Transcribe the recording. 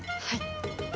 はい。